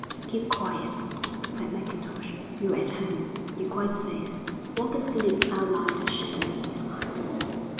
"Keep quiet," said Mackintosh. "You're at home. You're quite safe." Walker's lips outlined a shadowy smile.